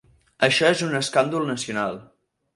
Això és un escàndol nacional.